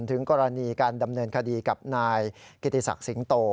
ถึงกรณีการดำเนินคดีกับนายกิติศักดิ์สิงโต